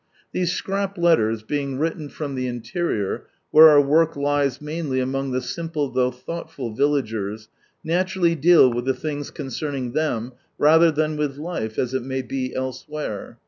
These scrap letters, being written from ihe interior, whei« our work lies mainly among ihe simple though thoughtful villagers, naturally deal with the things concern ing them, rather than with life as it may be elsewhere.